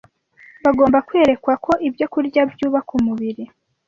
Bagomba kwerekwa ko ibyokurya byubaka umubiri